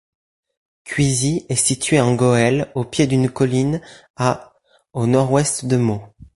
Cuisy est situé en Goële au pied d'une colline à au nord-ouest de Meaux.